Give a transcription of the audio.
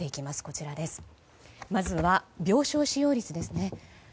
まずは、病床使用率ですね。